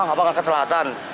apa kan ketelatan